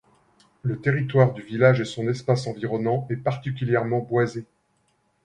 Le territoire du village et son espace environnant est particulièrement boisé.